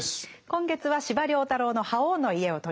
今月は司馬太郎の「覇王の家」を取り上げています。